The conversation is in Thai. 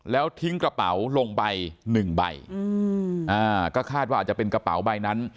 แล้วทิ้งกระเป๋าลงไปหนึ่งใบก็คาดว่าอาจจะเป็นกระเป๋าใบนั้น